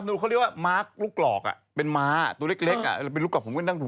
เขาเรียกว่ามาลูกหลอกอ่ะเป็นม้าตัวเล็กอ่ะลูกหลอกหลอกเต็มน้ำ